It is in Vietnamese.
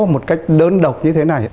một cách đơn độc như thế này